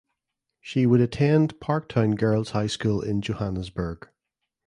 She would attend Parktown Girls High School in Johannesburg.